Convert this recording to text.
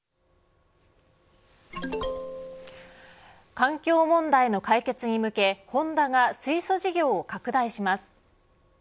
環境問題の解決に向けホンダが水素事業を拡大します。